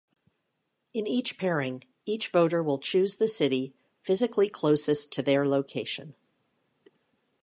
In each pairing, each voter will choose the city physically closest to their location.